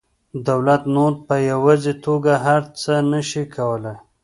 دولت نور په یوازې توګه هر څه نشي کولی